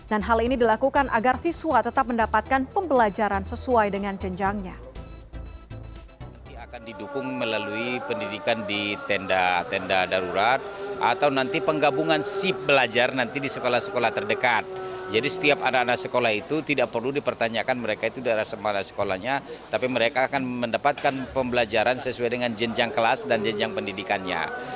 dan hal ini dilakukan agar siswa tetap mendapatkan pembelajaran sesuai dengan jenjangnya